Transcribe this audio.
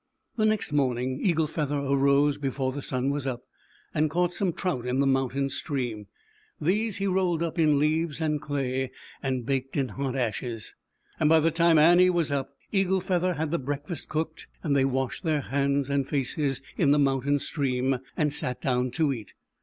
The next morning Eagle Feather arose before the sun was up, and caught some trout in the mountain stream. These he rolled up in leaves and clay, and baked in hot ashes. By the time Annie was up, Eagle Feather had the breakfast cooked, and they washed their hands and faces in the mountain stream, and sat down to eat.